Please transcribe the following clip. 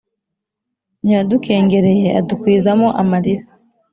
ntiyadukengereye adukwiza mo amarira